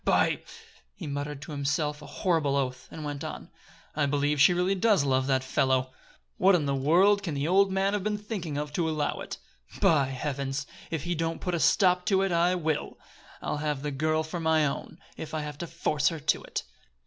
"By !" He muttered to himself a horrible oath, and went on: "I believe she really does love the fellow! What in the world can the old man have been thinking of to allow it? By heavens! if he don't put a stop to it, I will. I'll have the girl for my own, if I have to force her to it!